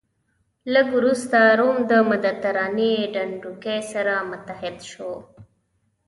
لږ وروسته روم د مدترانې ډنډوکی سره متحد شو.